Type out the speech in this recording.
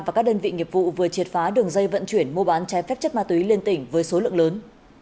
và các đơn vị nghiệp vụ vừa triệt phá đường dây vận chuyển mua bán trái phép chất ma túy liên tỉnh với số lượng lớn